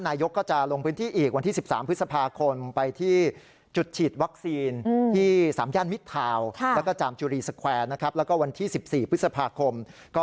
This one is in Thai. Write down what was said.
นายก็จะลงพื้นที่อีกวันที่๑๓พฤษภาคม